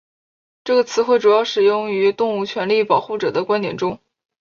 这个词汇主要使用于动物权利保护者的观点中。